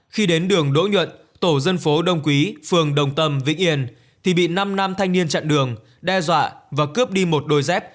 khi đến đường đỗ nhuận tổ dân phố đông quý phường đồng tâm vĩnh yên thì bị năm nam thanh niên chặn đường đe dọa và cướp đi một đôi dép